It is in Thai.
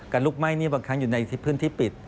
ลุกไหม้นี่บางครั้งอยู่ในพื้นที่ปิด